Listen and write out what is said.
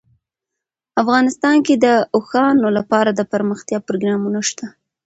افغانستان کې د اوښانو لپاره دپرمختیا پروګرامونه شته.